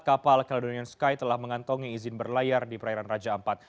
kapal caledonian sky telah mengantongi izin berlayar di perairan raja ampat